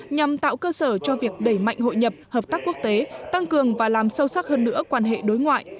nhằm tạo cơ sở cho việc đẩy mạnh hội nhập hợp tác quốc tế tăng cường và làm sâu sắc hơn nữa quan hệ đối ngoại